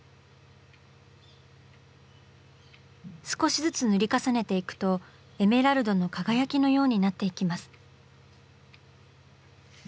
少しずつ塗り重ねていくとエメラルドの輝きのようになっていきます。